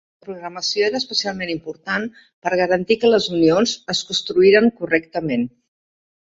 La programació era especialment important per garantir que les unions es construïren correctament.